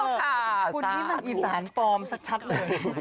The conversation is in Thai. คุณนี่มันอีสานปลอมชัดเลย